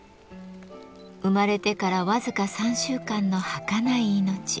生まれてから僅か３週間のはかない命。